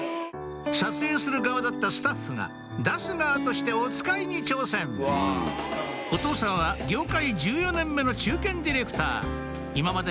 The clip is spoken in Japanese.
撮影する側だったスタッフが出す側としておつかいに挑戦お父さんは業界１４年目の中堅ディレクター今まで